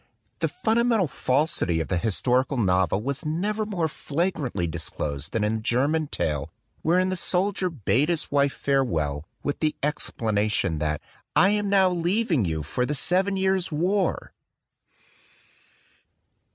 The fundamental falsity of the historical novel was never more flagrantly dis closed than in the German tale, wherein the soldier bade his wife farewell, with the explana tion, that "I am now leaving you for the Seven Years War!"